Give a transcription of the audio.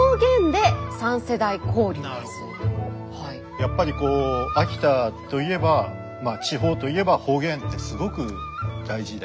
やっぱりこう秋田といえば地方といえば方言ってすごく大事で。